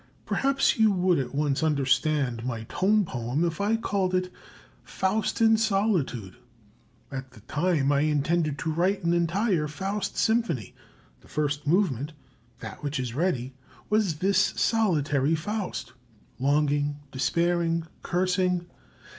Perhaps you would at once understand my tone poem if I called it 'Faust in Solitude.' At that time I intended to write an entire 'Faust' symphony. The first movement, that which is ready, was this 'Solitary Faust,' longing, despairing, cursing.